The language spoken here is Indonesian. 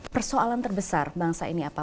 persoalan terbesar bangsa ini apa